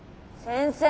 先生